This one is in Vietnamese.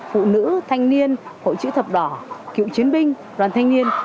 phụ nữ thanh niên hội chữ thập đỏ cựu chiến binh đoàn thanh niên